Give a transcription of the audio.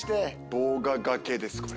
忘我がけですこれ。